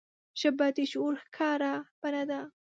ژبه د شعور ښکاره بڼه ده